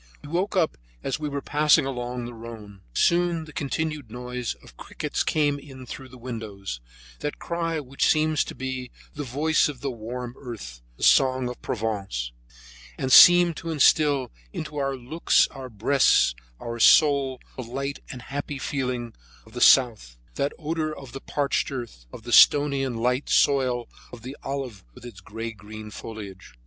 We woke up as we were passing along the Rhone. Soon the continued noise of crickets came in through the windows, that cry which seems to be the voice of the warm earth, the song of Provence; and seemed to instill into our looks, our breasts, and our souls the light and happy feeling of the south, that odor of the parched earth, of the stony and light soil of the olive with its gray green foliage.